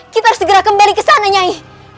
kita harus segara kembali gezana nyai